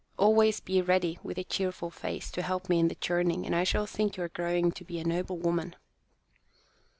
Always be ready, with a cheerful face, to help me in the churning, and I shall think you are growing to be a noble woman."